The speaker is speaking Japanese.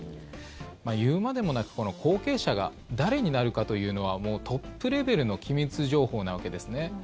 言うまでもなく後継者が誰になるかというのはトップレベルの機密情報なわけですね。